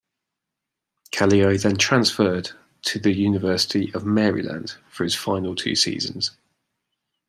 Kaleo then transferred to the University of Maryland for his final two seasons.